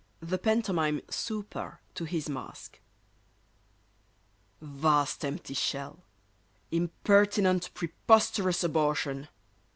THE PANTOMIME "SUPER" TO HIS MASK VAST empty shell! Impertinent, preposterous abortion!